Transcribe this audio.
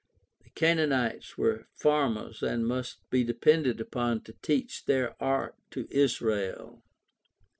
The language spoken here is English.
The Canaanites were farmers and must be depended upon to teach their art to Israel.